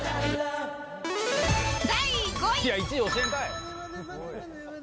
第５位。